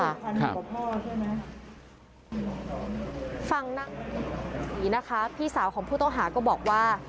ฝั่งนางศรีนะคะพี่สาวของผู้ต้องหาก็บอกว่า